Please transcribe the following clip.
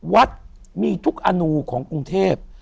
วัดมีทุกอนูของกรุงเทพ